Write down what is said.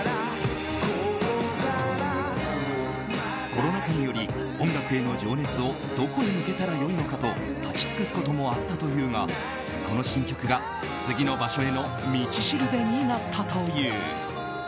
コロナ禍により音楽への情熱をどこへ向けたらよいのかと立ち尽くすこともあったというがこの新曲が、次の場所への道しるべになったという。